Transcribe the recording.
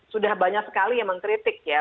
sudah banyak sekali yang mengkritik ya